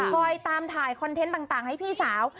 คอยตามถ่ายคอนเทนต์ต่างให้พี่สาว